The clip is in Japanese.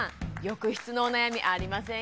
浴室のお悩みありませんか？